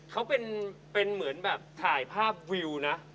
เขาเป็นเหมือนแบบถ่ายภาพวิวนะ